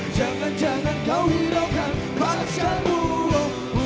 jangan jangan kau hinaukan pacarmu